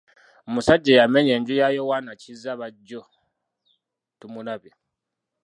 Omusajja eyamenya enju ya Yoanna Kizza bajjo tumulabye.